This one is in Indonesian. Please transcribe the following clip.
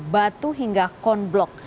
batu hingga konblok